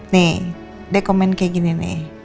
nih deh comment kayak gini nih